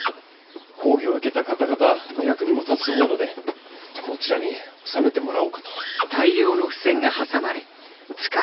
講義を受けた方々の役にも立つと思うのでこちらに納めてもらおうかと。